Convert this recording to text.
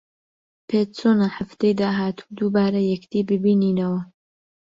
پێت چۆنە هەفتەی داهاتوو دووبارە یەکدی ببینینەوە؟